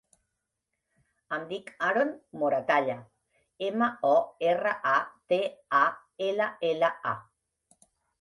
Em dic Haron Moratalla: ema, o, erra, a, te, a, ela, ela, a.